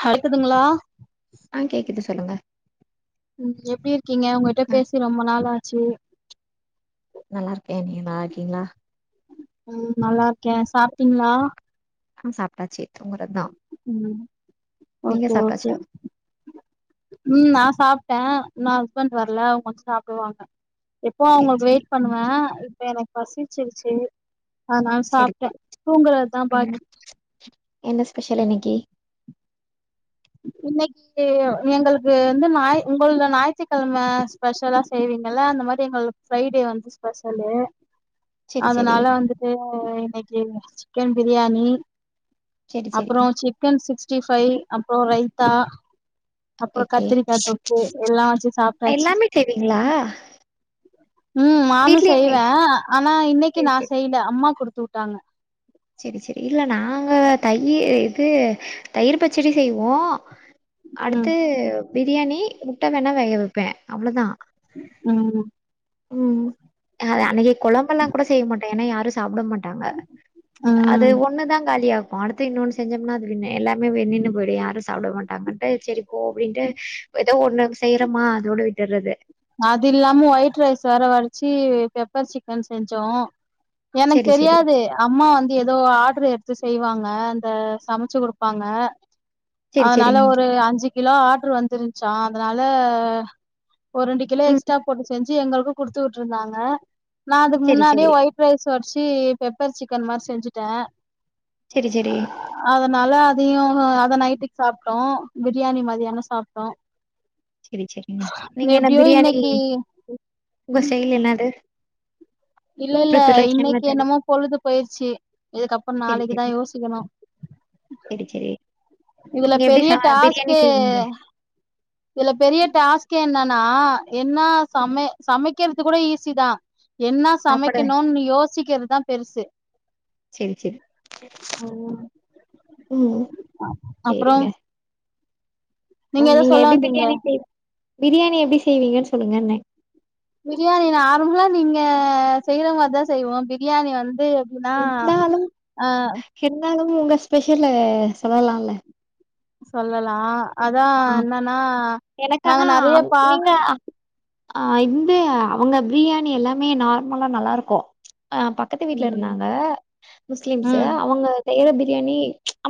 ஹருகுதுங்களா ஆ கேக்குது சொல்லுங்க ம் எப்டி இருக்கீங்க உங்ககிட்ட ஆ பேசி ரொம்ப நாள் ஆச்சு நல்லார்க்கே நீங்க நல்லார்க்கீங்ளா ம் நல்லார்க்கே சாப்டிங்ளா அ சாப்ட்டாச்சு தூங்குறதுதான் ம் நீங்க ஓக்கே ஓக்கே சாப்ட்டாச்சா ம் நா சாப்ட்டே இன்னு ஹஸ்பண்ட் வர்ல அவுங்க வந் சாப்டுவாங்க எப்போ சேரி அவுங்களுக்கு சேரி வெயிட் ம் பண்ணுவ இப்ப எனக் பசிச்சிருச்சு அதுனால் சேரி சாப்ட்டெ சேரி தூங்குறத்தா என்ன பாக்கி என்ன பெஷல் இன்னைக்கு இன்னைக்கு நீங்க எங்கள்து அந்து நாயி உங்கள்து ஞாயித்திக்கெழ்ம ஸ்பெஷலா செய்வீங்கள்ள அந்த மாரி எங்கள் ஃப்ரைடே வந்து ஸ்பஷல்லு சேரி சேரி அதனால வந்துட்டு இன்னைக்கு சிக்கென் பிரியாணி சேரி சேரி அப்றோ சிக்கன் சிக்ஸ்டி ஃபைவ் அப்போ ரெய்த்தா அப்பறொ ஓகே கத்திரிக்கா தொக்கு எல்லா வச்சு சாப்ட்டாச்சு செய்விங்ளா ம் நானு செய்வ ஆனா இன்னைக்கு சேரி நா சேரி செய்ல அம்மா குடுத்துஉட்டாங்க செரி செரி இல்ல நாங்க தயி இது தயிர் பச்சிடி செய்வோ ம் அடுத்து பிரியாணி முட்ட வேணா வேக வெப்பே அவ்வளோதா ம் ம் அன்னக்கு கொழம்பல்லா கூட செய் மாட்ட என்னா யாரு சாப்புட மாட்டாங்க அது ம் ஒண்ணுதாங் காலியாகு அடுத்து இன்னொன்னு செஞ்சம்னா அது வின்னு எல்லாமே வென்னின்னு பொய்டு யாரு சாப்ட மாட்டாங்கன்ட்டு செரி போ அப்டின்ட்டு எதோ ஒண்ணு செய்றம்மா அதோடு விட்டுற்றது அது இல்லாம ஒயிட் ரைஸ் வேர வடிச்சி பெப்பர் சிக்கன் செஞ்சோ எனக் செரி செரி தெரியாது அம்மா வந்து எதோ ஆர்டரு எடுத்து செய்வாங்க அந்த சமச்சு குடுப்பாங்க செரி அதுனால செரிங்க ஒரு அஞ்சுகிலோ ஆட்ரு வந்துருஞ்ச்சா அதனால ஒருரெண்டு கிலோ ம் எக்ஸ்ட்ரா போட்டு செஞ்சு எங்களுக்கு குடுத்து வுட்டுருந்தாங்க நா அதுக்கு செரி செரி முன்னாடியே ஒயிட் ரைஸ் வட்ச்சு பெப்பர் சிக்கன் மார் செஞ்சுட்ட செரி செரி அதனால அதையு அத நைட்டுக் சாப்ட்டோ பிரியாணி மதியானோ சாப்ட்டோ செரி செரிங்க நீங்க என்ன எப்டியோ பிரியாணி இன்னைக்கு உங்க ஸ்டைல் என்னது இல்லல்ல பிரிப்பரேஷன் இன்னைக்கி மெத்தடு என்னமோ பொழுது போயிர்ச்சி இதுக்கப்பற் செரி நாளைக்கு தா செரி யோசிக்கணு செரி செரி இதுல நீங்க எப்டி பெரிய ச பிரியாணி டாஸ்கே செய்வீங்க இதுல பெரிய டாஸ்க்கே என்னன்னா என்ன சம சமைக்கிற்த்து கூட ஈஸி தா என்ன சாப்பாடு சமைக்கணுன் யோசிக்கற்தா பெருசு செரி செரி ம் ம் அப்புறோ சேரிங்க ஓ எதோ நீங்க சொல்ல எப்டி வந்தீங்களே பிரியாணி செய் பிரியாணி எப்டி செய்வீங்கன் சொல்லுங்கன்னே பிரியாணி நார்மலா நீங்க செய்ற மார் தா செய்வோ பிரியாணி வந்து குனா அ இர்ந்தாலு உங்க ஸ்பெஷலு சொல்லலால்ல சொல்லலா அதா ஆ என்னன்னா எனக்கு நாங்க நெறைய பா ஆ இந்து அவங்க ப்ரியாணி எல்லாமே நார்மலா நல்லாருக்கு அ பக் கத்து வீட்ல ம் இருந்தாங்க முஸ்லீம்ஸ் ம் அவங்க செய்ற பிரியாணி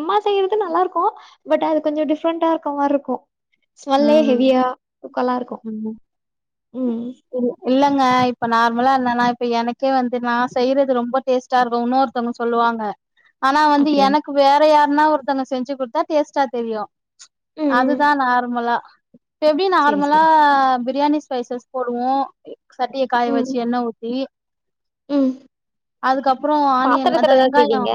அம்மா செய்யறது நல்லாருக்கு பட் அது கொஞ்சோ டிஃப்ரெண்ட்டா இருக்க மார்ருக்கு ஸ்மெல்லே ம் ஹெவியா தூக்கலா இருக்கு ம் ம் ம் இல் இல்லங்க இப்ப நார்மலா என்னனா இப்ப எனக்கே வந்து நா செய்யறது ரொம்ப டேஸ்ட் டா இருக்குன் இன்னோர்த்தவ்ங்க சொல்லுவாங்க ஆனா வந்து ஓகே. எனக்கு வேற யார்ன்னா ஒருத்தங்க செஞ்சு குட்த்தா டேஸ்ட்டா தெரியு ம் ம். அதுதா நார்மலா ப்ப எப்டி சரி நார்மலா சரி. பிரியாணி ஸ்பைசஸ் போடுவோ எ சட்டிய காய ம் வெச்சு எண்ண ஊத்தி ம். அதுக்கப் றோ ஆனியன் அந்த பாத்திரத்துலதா வெங்காயோ செய்வீங்க?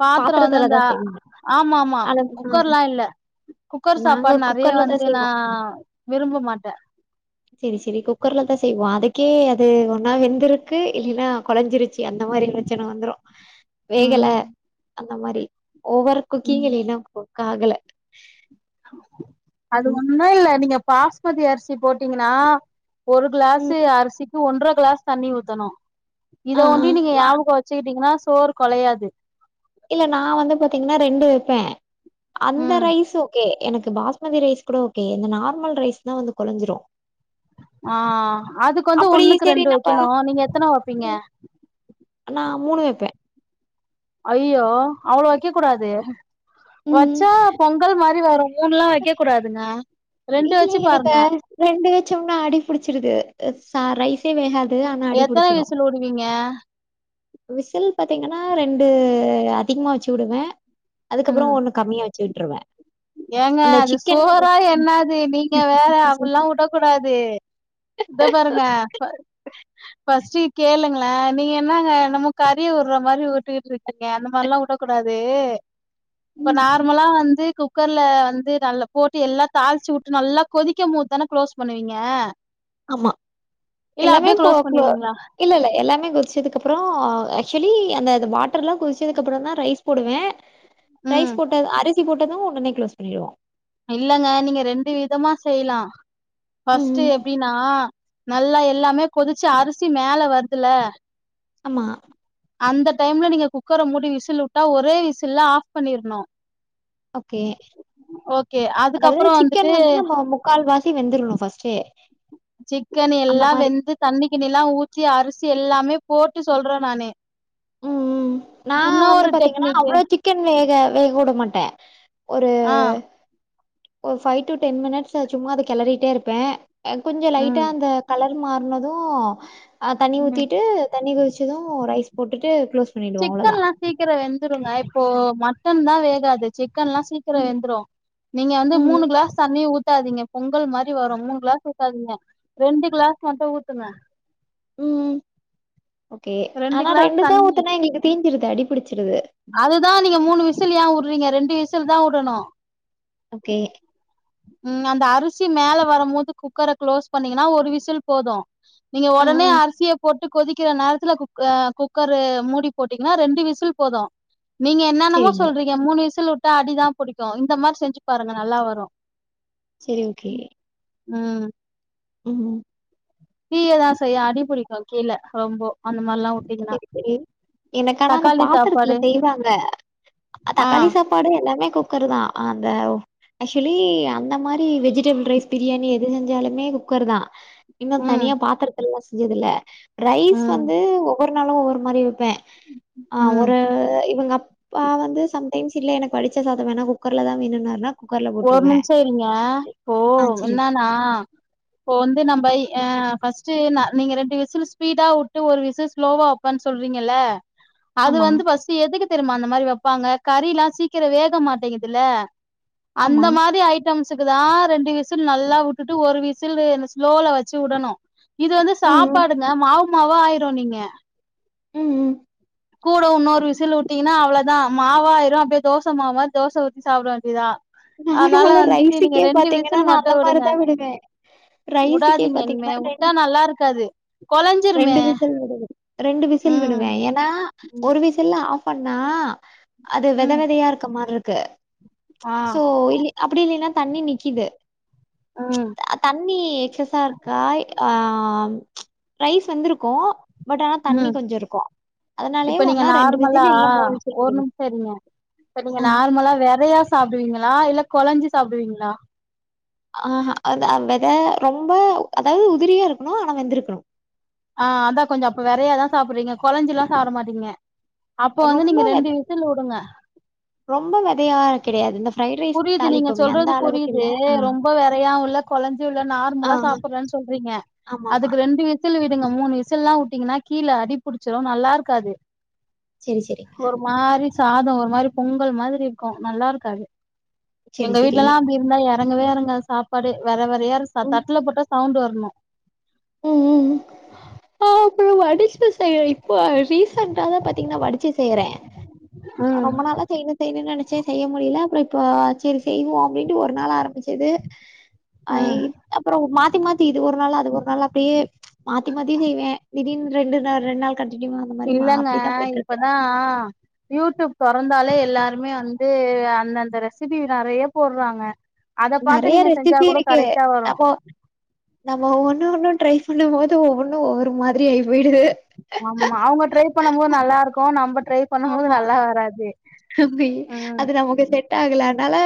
பாத்தரோ வந்து பாத்திரத்துலதா அந்த செய்வீங்க. ஆமாமா ஆனா ம் குக்கர்லா இல்ல குக்கர் சாப் நாங்க பாட் நெறைய குக்கர்ல தான் வந்து நா செய்வோ. விரும்ப மாட்டே செரி செரி குக்கர்ல தா செய்வோ அதுக்கே அது ஒன்னா வெந்திருக்கு இல்லீனா கொழஞ்சிருச்சி அந் த மாரி பிரச்சன வந்துரு வேகல ம் அந்த மாரி ஓவர் குக்கிங் ம் இல்லைனா குக் ஆகல அது ம் ஒன்னு இல்ல நீங்க பாஸ்மதி அரிசி போட்டீங்கனா ஒரு ம் கிளாஸு அரிசிக்கு ஒன்ற கிளாஸ் தண்ணி ஊத்தணு இத ஆ ஆ ஒண்டி நீங்க நா ஞாபகோ வெச்சுக்கிட்டீங்கனா சோறு கொழயாது இல்ல நா வந்து பாத்தீங்ன்னா ரெண்டு வெப்பே அந்த ம் ரைஸு ஓகே எனக்கு பாஸ் மதி ரைஸ் கூட ஓகே இந்த நார்மல் ரைஸ் தா வந்து கொழஞ்சிரு ஆ அதுக் வந்து அப்படி ஒன்னுக்கு சரி ரெண்டு நம்ப வெக்கணு நீங்க எத்தன வெப்பீங்க நா மூணு வெப்பே ஐயோ அவ்ளோ வெக்க கூடாது ம் வச்சா பொங்கல் மாரி வரு மூண்லா வெக்க கூடாதுங்க ரெண்டு இல்ல வெச்சி எனக்கு பாருங்க ரெண்டு வெச்சம்னா அடி பிடிச்சிருது சா ரைஸே வேகாது ஆனா அடி பிடிச்சிரு விடுவீங்க விசில் பாத்தீங்கன்னா ரெண்டு அதிக்மா வெச்சு விடுவே ம் அதுக்கப்பறோ ஒன்னு கம்மியா வெச்சுட்ருவே ஏங்க அது சோறா என்னாது நீங்க வேற அப்பிட்லா உடக்கூடாது இத பாருங்க ஃப ஃபஸ்ட்டு கேளுங்களே நீங்க என்னங்க நம்ம கறிய உட்ற மாரி உட்டுகிட்ருக் நீங்க அந்த மார்லா உடக்கூடாது இப்ப ம். நார்மலா வந்து கூ குக்கர்ல வந்து நல்லா போட்டு எல்லா தாலிச்சு விட்டு நல்லா கொதிக்க மொது தானே குளோஸ் பண்ணுவீங்க ஆமா இல்ல எல்லாமே அப்டியே போ க்ளோஸ் கோ பண்ணிருவீங்களா இல்ல இல்ல எல்லாமே கொதிச்சதுக்கு அப்புரோ ஆக்சுவலி அந்த வாட்டர் எல்லா கொதிச்சதுக்கு அப்புரோ தா ரைஸ் போடுவே ம் ரைஸ் போட்டது அரிசி போட்டது ஒடனே க்ளோஸ் பண்ணிடுவோ இல்லங்க நீங்க ரெண்டு விதமா செய்யலா ம், ஃபஸ்டு ம். எப்டினா நல்லா எல்லாமே கொதிச்சு அரிசி மேல வருதுல ஆமா அந்த டைம்ல நீங்க குக்கர மூடி விசில் வுட்டா ஒரே விசில்ல ஆஃப் பண்ணிருணு ஓக்கே ஓக்கே அது அதாவது சிக்கன் வந்து நம்ம முக்கால் வாசி வெந்துரணு ஃபர்ஸ்ட்டே சிக்கன் அந்த எல்லா மாரி. வெந்து தண்ணி கிண்ணி எல்லா ஊத்தி அரிசி எல்லாமே போட்டு சொல்றே நானு ம், ம் நா உன்னு வந்து ஒரு பாத்தீங்கன்னா டெக்னிக்கு அவ்ளோ சிக்கன் வேக வேக உட மாட்டே ஒரு ஆ ஒரு ஃபைவ் டு டென் மினிட்ஸ் சும்மா அத கிளறிட்டே இருப்பே அது கொஞ்சு லைட்டா ம் அந்த கலர் மாறனது அ தண்ணி ம் ஊத்திட்டு தண்ணி கொதிச்சது ரைஸ் போட்டுட்டு க்ளோஸ் பண்ணிடுவோ அவ்ளோதா சிக்கன் லா சீக்கிரோ வெந்துருங்க இப்போ மட்டன் தா வேகாது சிக்கன் எல்லா சீக்கிரோ ம் வெந்துரு நீங்க வந்து ம் மூணு கிளாஸ் தண்ணி ஊத்தாதீங்க பொங்கல் மாரி வரு மூணு கிளாஸ் ஊத்ததீங்க ரெண்டு கிளாஸ் மட்டு ஊத்துங்க ம் கே ஆனா கிளாஸ் ரெண்டு தா தண்ணி ஊத்துனா எங்களுக்கு தீஞ்சிருது அடிபிடிச்சிருது அதுதா நீங்க மூணு விசில் ஏ உடுறீங்க ரெண்டு விசில் தா உடணு ஓக்கே ம் அந்த அரிசி மேல வரும் போது குக்கர க்ளோஸ் பண்ணீங்கன்னா ஒரு விசில் போது நீங்க ஆ ஒடனே ஆ அரிசிய போட்டு கொதிக்கிற நேர துல குக் குக்கரு மூடி போட்டீங்கன்னா ரெண்டு விசில் போது நீங்க என்னென்னமோ சரிங்க. சொல்றீங்க ங்க மூணு விசில் உட்டா அடிதா புடிக்கு இந்த மாரி செஞ்சு பாருங்க நல்லா வரு செரி ஓக்கே ம் ம் ம் தீய தா செய்யு அடிபுடிக்கு கீழே ரொம்போ அந்த மாரிலா வுட்டீங்கன்னா சரி சரி எனக்கானா அந்த தக்காளி பாத்தரத்துல சாப்பாடு செய்வாங்க அ ஆ தக்காளி சாப்பாடு எல்லாமே குக்கரு தா அந்த ஆக்சுவலி அந்த மாரி வெஜிடபிள் ரைஸ் பிரியாணி எது செஞ்சாலுமே குக்கர் தா இன்னு ம் தனியா பாத்தரத்துலல்லா செஞ்சது இல்ல ரைஸ் ம் வந்து டு ஒவ்வொரு நாளு ஒவ்வொரு மாரி வெப்பே ஆ ம் ஒரு இவங்க அப் அப்பா வந்து சம்டைம்ஸ் இல்ல எனக்கு வடிச்ச சாதம் வேணா குக்கர்ல தா வேணுனாருனா ஒரு நிமிஷோ இருங்க ஓ ஆ சரி என்னண்ணா இப்போ வந்து நம்பா ஏ ஃபர்ஸ்ட்டு ந நீங்க ரெண்டு விசில் ஸ்பீடா வுட்டு ஒரு விசில் ஸ்லோவா ப்பான் சொல்றீங்கில்ல அது ஆமா வந்து பர்ஸ்ட் எதுக்கு தெரியமா அந்த மாரி வெப்பாங்க கறில்லா சீக்கிரோ வேக மாட்டேங்கதுல்ல அந்த ஆமா மாரி ஆயிட் டம்ஸ்சுக்கு தா ரெண்டு விசில் நல்லா உட்டுட்டு ஒரு விசில் என்ன ஸ்லோல வச்சு உடணு இது வந்து ம் சாப்பாடுங்க மாவு மாவா ஆயிரு நீங்க ம் ம் கூட இன்னொரு விசுல் வுட்டீங்கன்னா அவ்ளதா மாவாயிரு அப்டியே தோச மாவு மாரி தோச ஊத்தி சாப்ட வேண்டிதா நார்மலா ரைஸக்கே பாத்தீங்கன்னா விசில் நா மட்டு அந்த வுடுங்க மாரிதா விடுவ ரைசுக்கே வுடாதீங்க இனிமே பாத்தீங்கன்னா வுட்டா ரெண் நல்லா இருக்காது ரெண்டு கொலஞ்சிருமே விசுல் விடுவ ரெண்டு விசுல் ம் விடுவ ஏன்னா ம் ஒரு விசுல்ல ஆஃப் பண்ணா அது வித ம் விதையா இருக்க மாதிரி இருக்கு ஆ சோ இ அப்டி இல்லின்னா தண்ணி நிக்குது ம் அ தண்ணி எக்ஸஸா இருக்கா ஆ ம் ரைஸ் வெந்துருக்கும் பட் ஆனா தண்ணி ம் கொஞ்ச இருக்கும் இப்ப நீங்க நார்மலா மூணு விசில் ஒரு விடுவே நிமிஷ இருங்க இப்ப நீங்க ஆ நார்மலா விதயா சாப்டுவீங்களா இல்ல குலஞ்சி சாப்டுவீங்களா ஆஹ்ஹா அதா வெத ரொம்ப அதாவது உதிரியா இருக்கணு ஆனா வெந்துருக்கணு ஆஹ் அதா கொஞ்ச அப்ப வறயாதா சாப்டுறீங்க குழஞ்சு எல்லா சாப்ட மாட்டீங்க அப்ப வந்து ரொம்ப நீங்க வெத ரெண்டு வி சுல் வுடுங்க ரொம்ப வெதையா கெடையாது இந்த ஃப்ரைட் ரைஸ் புரிது நீங்க தாளிப்போமே அந்த சொல்றது அளவுக்கு புரிது இல்ல ஆ ரொம்ப வறயாவுல்ல குழஞ்சு இல்ல ஆ நார்மலா சாப்டுறனு சொல்றீங்க ஆமாமா அதுக்கு ரெண்டு விசு விசுல் விடுங்க மூணு விசுல்லா உட்டீங்கன்னா கீழ அடிபுடிச்சிடு நல்லா இருக்காது சேரி சேரிங்க ஒரு மாரி சாதோ ஒரு மாரி பொங்கல் மாதிரி இருக்கு நல்லா இருக்காது செரி எங்க செரி வீட்லல்லா அப்டி ருந்தா எறங்கவே எறங்காது சாப்பாடே வெத வெதயா தட்ல போட்டா சவுண்ட் வரணு ம் ம் ம் ஆ அப்ற வடிச்சி செய்றங்க [unintelligible] ரீசண்டாதா பாத்தீங்கன்னா வடிச்சி செய்ற ம் ரொம்ப நாளா செய்னு செய்னு நெனச்ச செய்ய முடில அப்றோ இப்போ சரி செய்வோ அப்டின்ட்டு ஒரு நாள் ஆரம்பிச்சது அ ம் அப்றோ மாத்தி மாத்தி இது ஒரு நாள் அது ஒரு நாள் அப்டியே மாத்தி மாத்தியு செய்வ திடீர்ன் ரெண்டு நா ரெண்டு நாள் கண்டினியூவா அந்த மாரி மா இல்லங்க அப்டிதா போயிட்ருக்கு இப்பதா யூடியூப் தொறந்தாலே எல்லாருமே வந்து அந்தந்த ரெசிபி நெறைய போடுறாங்க அத பாத்து நெறைய நீங்க செஞ்சா ரெசிபி கூட இருக்கு கரக்டா வரு அப்போ நம்ம ஒண்ணு ஒண்ணு ட்ரை பண்ணு போது ஒவ்வன்னு ஒவ்வரு மாரி ஆயி போயிடுது ஆமா அவுங்க ட்ரை பண்ண போது நல்லா இருக்கு நம்ம ட்ரை பண்ணும்போது நல்லா வராது அம்மே ம் அது நமக்கு செட் ஆகல அதுனால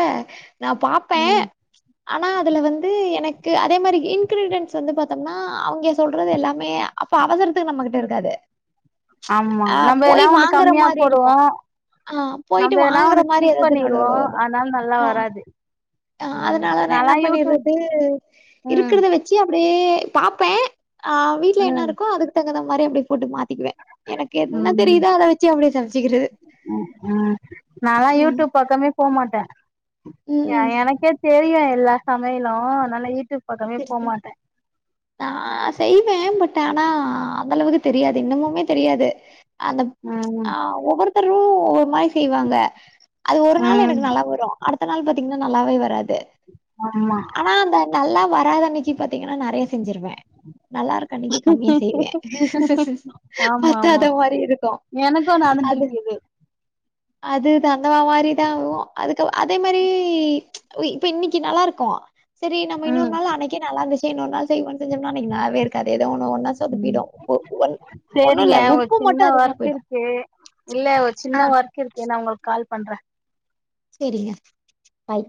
நா பாப்ப ம் ஆனா அதுல வந்து எனக்கு அதே மாரி இன்கிரீடியன்ஸ் வந்து பாத்தம்னா அவங்க சொல்றது எல்லாமே அப்ப அவசரத்துக்கு நம்ம கிட்ட இருக்காது ஆமா அ நம்ம எதுன்னா போய் ஒன்னு வாங்குற கம்மியா மாரி போடுவோ இருக்கும். ஆ நம்ம போயிட்டு எதுன்னா வாங்குற ஒன்னு மாரி ஸ்கிப் ஏதாவது பண்ணிருவோ நடுவுல அதுனால நல்லா வராது ஹ ம் அதுனாலதா என்ன நாலா யூடியூப் பண்ணிறது ம் இருக்றத வச்சு அப்டியே பாப்ப ஆ வீட்ல என்ன ம் இருக்கோ அதுக்கு தகுந்த மாரி அப்டியே போட்டு மாத்திக்குவ எனக்கு என்ன ம் தெரிதோ அத வச்சு அப்டியே சமச்சுக்கிறது ம் ம் நாலா யூட்யூப் பக்கமே போமாட்ட ம், எ ம். எனக்கே தெரியு எல்லா சமையலு அதுனால யூடியூப் பக்கமே போ மாட்டே [unintelligible] நா செய்வ பட் ஆனா அந்த அளவுக்கு தெரியாது இன்னமுமே தெரியாது அந்த ஆ ம் ஒவ்வருத்தரு ஒவ்வரு மாரி செய்வாங்க அது ஒரு நாள் ம் எனக்கு நல்லா வரு அடுத்த நாள் பாத்தீங்கன்னா நல்லாவே வராது ஆமா ஆனா அந்த நல்லா வராத அன்னைக்கு பாத்தீங்கன்னா நெறைய செஞ்சிருவே நல்லாருக் அன்னைக்கு கம்மியா செய்வே ஆமா ஆமா பத்தாத மாரி இருக்கு எனக்கு நடந்திருக்கு இது அது தங்குற மாரிதா ஆகு அதுக்கு அதே மாரி இப்ப இன்னைக்கு நல்லா இருக்கு சரி நம்ம இன்னொரு ம் நாள் அன்னைக்கே நல்லாருந்துச்சே இன்னொரு நாள் செய்வோனு செஞ்சம்னா அன்னைக்கு நல்லாவே இ கடைல வாங்குனோம்னா சொதப்பிடும் ஒ ஒ ஒன்னு சேரிங்க இல்ல ஒரு உப்பு சின்ன மட்டும் அதிகமா ஒர்க் போயிடு இருக்கு இல்ல ஒரு சின்ன ஒர்க் இருக்கு நா உங்களுக் கால் பண்றே செரிங்க பாய்